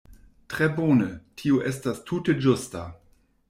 Tre bone; tio estas tute ĝusta.